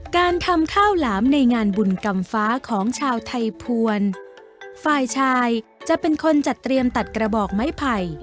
การทำข้าวหลามในงานบุญกรรมฟ้าของชาวไทยภวรฝ่ายชายจะเป็นคนจัดเตรียมตัดกระบอกไม้ไผ่